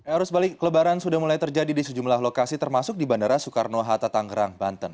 arus balik lebaran sudah mulai terjadi di sejumlah lokasi termasuk di bandara soekarno hatta tanggerang banten